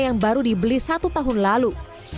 yang baru dibeli satu tahun lalu